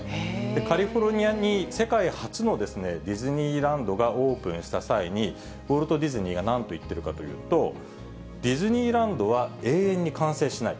カリフォルニアに世界初のディズニーランドがオープンした際に、ウォルト・ディズニーがなんと言ってるかというと、ディズニーランドは永遠に完成しない。